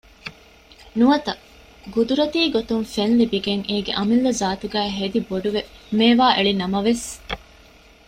ނުވަތަ ގުދުރަތީގޮތުން ފެންލިބިގެން އޭގެ އަމިއްލަ ޒާތުގައި ހެދިބޮޑުވެ މޭވާއެޅިނަމަވެސް